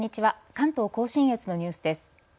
関東甲信越のニュースです。